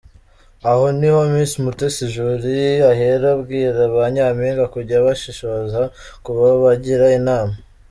Aha niho Miss Mutesi Jolly ahera abwira ba Nyampinga kujya bashishoza ku babagira inama.